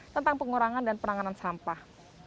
tentang pengurangan dan penanganan sampah